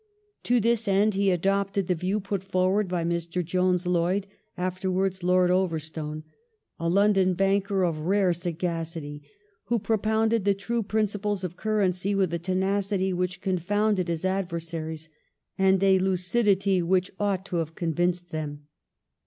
To this end he adopted the view put forward by Mr. Jones Loyd, afterwards Lord Overstone, "a London banker of rare sagacity, who propounded the true principles of currency with a tenacity which confounded his adversaries and a lucidity which ought to have convinced them